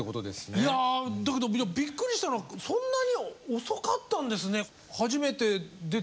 いやだけどびっくりしたのはそんなに遅かったんですね